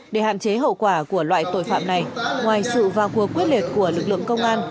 để hạn chế hậu quả của loại tội phạm này ngoài sự vào cuộc quyết liệt của lực lượng công an